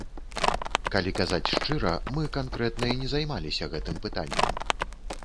Калі казаць шчыра, мы канкрэтна і не займаліся гэтым пытаннем.